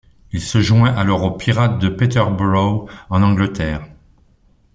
Il se joint alors au Pirates de Peterborough en Angleterre.